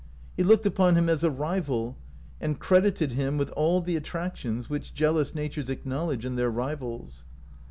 He looked upon him as a rival, and cred ited him with all the attractions which jeal ous natures acknowledge in their rivals.